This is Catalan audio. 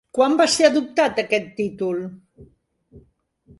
Quan va ser adoptat aquest títol?